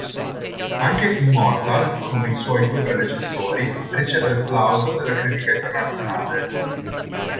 Anche "Immortal", come i suoi due predecessori, riceve il plauso dalla critica internazionale.